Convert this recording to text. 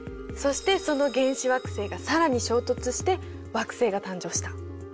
そしてその原始惑星が更に衝突して惑星が誕生した。